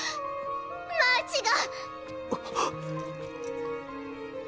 マーチが！っ！